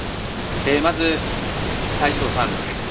まず、泰二郎さん。